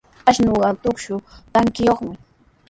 Ashnuqa trusku trakiyuqmi.